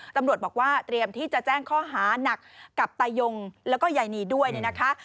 ตำรวจบอกว่าเตรียมที่จะแจ้งข้อหานักกับตายงแล้วก็ยายนีด้วยเนี่ยนะคะ